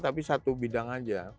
tapi satu bidang saja